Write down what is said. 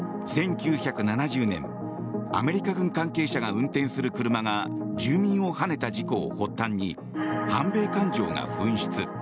１９７０年アメリカ軍関係者が運転する車が住民をはねた事故を発端に反米感情が噴出。